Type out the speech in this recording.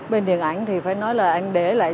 bên điện ảnh thì phải nói là anh để lại